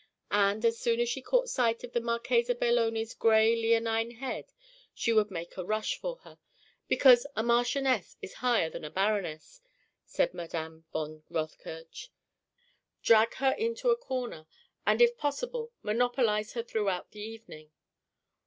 And, as soon as she caught sight of the Marchesa Belloni's grey, leonine head, she would make a rush for her because a marchioness is higher than a baroness, said Madame von Rothkirch drag her into a corner and if possible monopolize her throughout the evening.